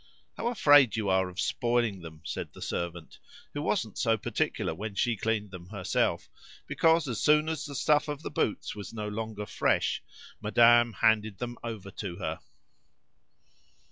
"How afraid you are of spoiling them!" said the servant, who wasn't so particular when she cleaned them herself, because as soon as the stuff of the boots was no longer fresh madame handed them over to her.